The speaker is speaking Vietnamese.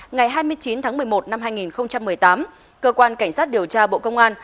ngày hai mươi chín tháng một mươi một năm hai nghìn một mươi tám cơ quan cảnh sát điều tra bộ công an